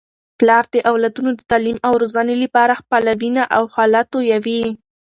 پلار د اولادونو د تعلیم او روزنې لپاره خپله وینه او خوله تویوي.